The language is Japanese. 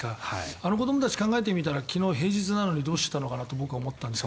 あの子どもたち、考えてみたら昨日、平日なのにどうしてたのかなと僕は思ったんですが。